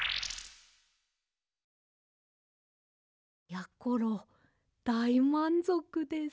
やころだいまんぞくです。